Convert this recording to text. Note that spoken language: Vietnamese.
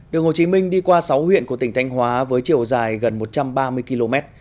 đường hồ chí minh đi qua sáu huyện của tỉnh thanh hóa với chiều dài gần một trăm ba mươi km